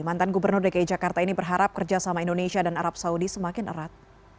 mantan gubernur dki jakarta ini berharap kerjasama indonesia dan arab saudi semakin erat